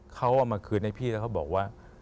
เขาเอามาคืนให้พี่แล้วเขาบอกว่า